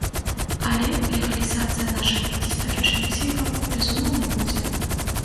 Але легалізацыя нашых гістарычных сімвалаў, безумоўна, будзе.